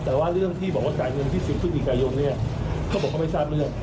แต่ว่าเรื่องที่บอกว่าจ่ายเงินที่๑๐พฤศจิกายนเนี่ยเขาบอกเขาไม่ทราบเรื่อง